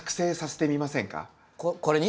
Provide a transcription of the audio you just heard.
これに？